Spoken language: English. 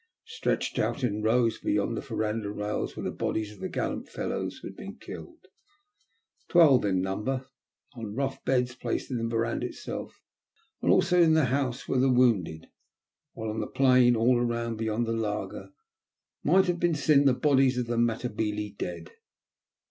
Stretched out in rows beyond the verandah rails were the bodies of the gallant fellows who had been killed — twelve in number. On rough beds placed in the verandah itself and also in the house were the wounded ; while on the plain all round beyond the laager might have been seen the bodies of the Mata bele dead.